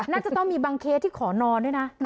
น่าจะต้องมีบางเคสที่ขอนอนด้วยนะ